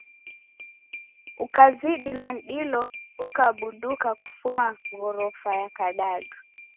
Ukazidilwa ni dilo ukabuduka kufuma gorofa ya kadadu.